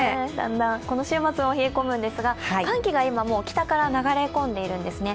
この週末も冷え込むんですが寒気が今、北から流れ込んでいるんですね。